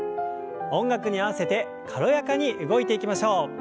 音楽に合わせて軽やかに動いていきましょう。